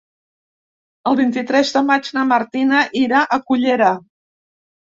El vint-i-tres de maig na Martina irà a Cullera.